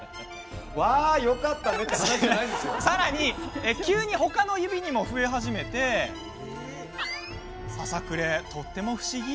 さらに、急に他の指にも増え始めましてささくれって、とっても不思議。